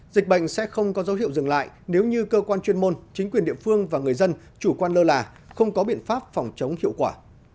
dịch bệnh sẽ không có dấu hiệu dừng lại nếu như cơ quan chuyên môn chính quyền địa phương và người dân chủ quan lơ là không có biện pháp phòng chống hiệu quả